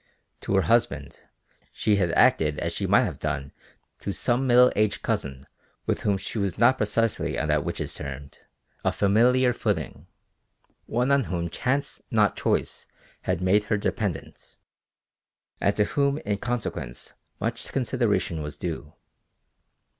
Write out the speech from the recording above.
To her husband she had acted as she might have done to some middle aged cousin with whom she was not precisely on that which is termed a familiar footing, one on whom chance not choice had made her dependent, and to whom in consequence much consideration was due.